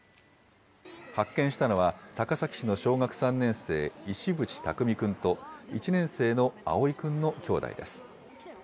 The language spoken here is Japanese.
発見したのは、高崎市の小学３年生、石渕匠君と、１年生の葵君の兄弟です。